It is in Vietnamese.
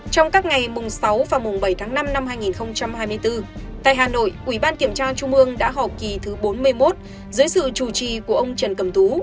trong các ngày mùng sáu và mùng bảy tháng năm năm hai nghìn hai mươi bốn tại hà nội ủy ban kiểm tra trung ương đã họp kỳ thứ bốn mươi một dưới sự chủ trì của ông trần cầm tú